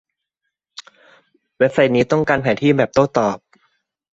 เว็บไซต์นี้ต้องการแผนที่แบบตอบโต้